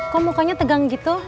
kok mukanya tegang gitu